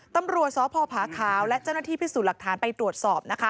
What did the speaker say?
ตำรวจสพผาขาวและเจ้าหน้าที่พิสูจน์หลักฐานไปตรวจสอบนะคะ